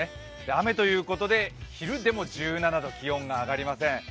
雨ということで昼でも１７度、気温が上がりません。